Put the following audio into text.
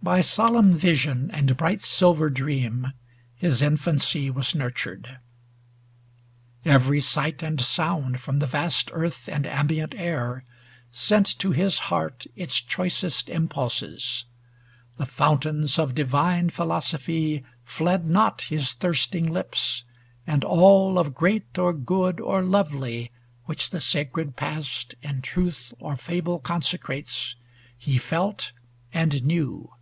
By solemn vision and bright silver dream His infancy was nurtured. Every sight And sound from the vast earth and ambient air 70 Sent to his heart its choicest impulses The fountains of divine philosophy Fled not his thirsting lips, and all of great, Or good, or lovely, which the sacred past In truth or fable consecrates, he felt And knew.